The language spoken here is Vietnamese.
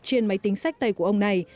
trên máy tính sách tay của ông này